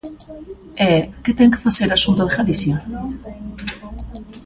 E ¿que ten que facer a Xunta de Galicia?